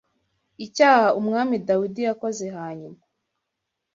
Icyaha umwami Dawidi yakoze hanyuma